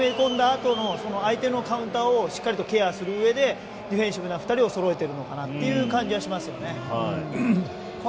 あとの相手のカウンターをしっかりとケアするうえでディフェンシブな２人をそろえているのかなという感じがしますよね。